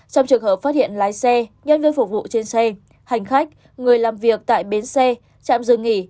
trong trường hợp phát hiện lái xe nhân viên phục vụ trên xe hành khách người làm việc tại bến xe trạm dừng nghỉ